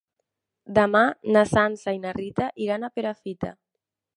Demà na Sança i na Rita iran a Perafita.